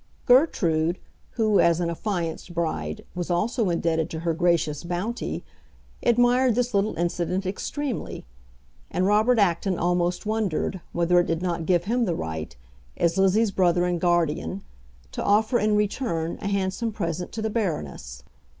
Gertrude, who as an affianced bride was also indebted to her gracious bounty, admired this little incident extremely, and Robert Acton almost wondered whether it did not give him the right, as Lizzie's brother and guardian, to offer in return a handsome present to the Baroness.